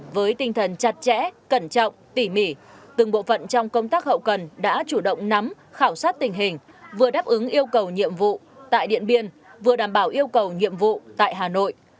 với tinh thần chặt chẽ cẩn trọng tỉ mỉ từng bộ phận trong công tác hậu cần đã chủ động nắm khảo sát tình hình vừa đáp ứng yêu cầu nhiệm vụ tại điện biên vừa đảm bảo yêu cầu nhiệm vụ tại hà nội